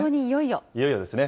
いよいよですね。